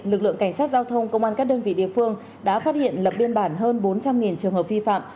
lực lượng cảnh sát giao thông công an các đơn vị địa phương đã phát hiện lập biên bản hơn bốn trăm linh trường hợp vi phạm